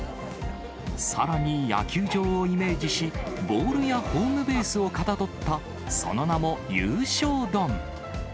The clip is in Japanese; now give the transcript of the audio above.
さらに、野球場をイメージし、ボールやホームベースをかたどったその名も優勝丼。